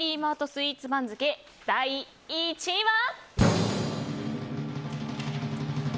スイーツ番付第１位は。